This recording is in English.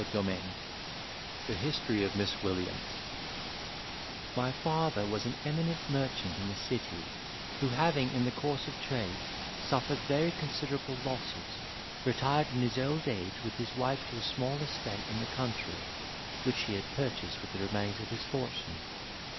CHAPTER XXII The History of Miss Williams 'My father was an eminent merchant in the city who having, in the course of trade, suffered very considerable losses, retired in his old age with his wife to a small estate in the country, which he had purchased with the remains of his fortune.